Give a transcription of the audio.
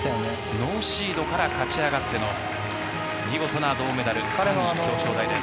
ノーシードから勝ち上がっての見事な銅メダルついに表彰台です。